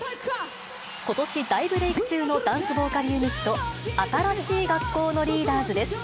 ことし大ブレーク中の、ダンスボーカルユニット、新しい学校のリーダーズです。